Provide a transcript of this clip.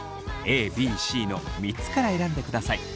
ＡＢＣの３つから選んでください。